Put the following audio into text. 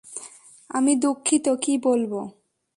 আমি দুঃখিত, কী বলবো?